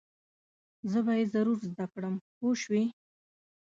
زه به یې ضرور زده کړم پوه شوې!.